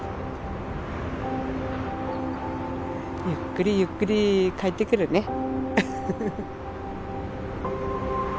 ゆっくりゆっくり帰ってくるね。